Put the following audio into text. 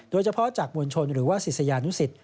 โดยเฉพาะจากมวลชนหรือว่าศิษยานุสิต